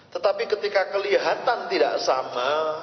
tetapi ketika kelihatan tidak sama